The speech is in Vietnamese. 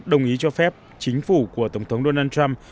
đồng ý cho phép chính phủ của tổng thống donald trump